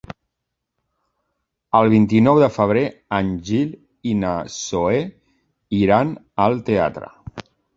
El vint-i-nou de febrer en Gil i na Zoè iran al teatre.